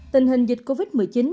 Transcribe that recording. tình hình dịch covid một mươi chín